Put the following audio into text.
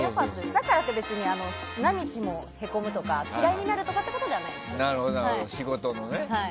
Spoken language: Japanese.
だからって何日もへこむとか嫌いになるとかってことはないです。